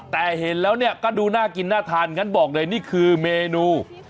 แต่เห็นแล้วเนี่ยก็ดูน่ากินน่าทานงั้นบอกเลยนี่คือเมนู